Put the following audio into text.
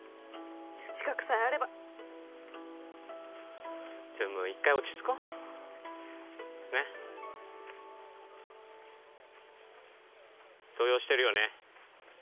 資格さえあればちょっもう一回落ち着こうねっ動揺してるよね